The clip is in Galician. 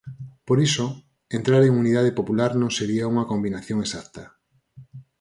Por iso, entrar en 'Unidade Popular' non sería unha combinación exacta.